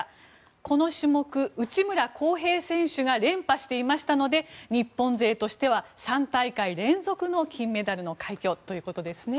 この種目、内村航平選手が連覇していましたので日本勢としては３大会連続の金メダルの快挙ですね。